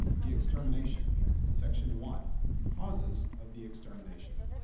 THE EXTERMINATION. I. CAUSES OF THE EXTERMINATION.